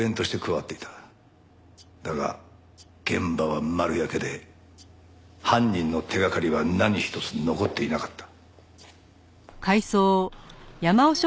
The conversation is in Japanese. だが現場は丸焼けで犯人の手掛かりは何一つ残っていなかった。